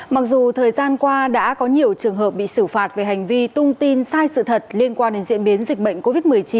mặc dù thời gian qua đã có nhiều trường hợp bị xử phạt về hành vi tung tin sai sự thật liên quan đến diễn biến dịch bệnh covid một mươi chín